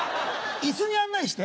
椅子に案内して。